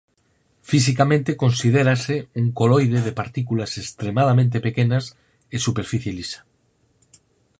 Fisicamente considérase un coloide de partículas extremadamente pequenas e superficie lisa.